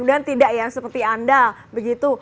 mudahan tidak yang seperti anda begitu